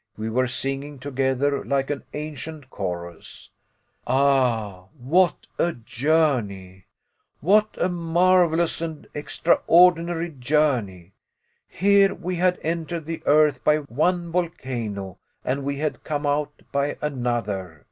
We were singing together like an ancient chorus. Ah what a journey what a marvelous and extraordinary journey! Here we had entered the earth by one volcano, and we had come out by another.